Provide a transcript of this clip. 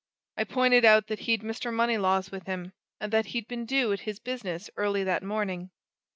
I pointed out that he'd Mr. Moneylaws with him, and that he'd been due at his business early that morning.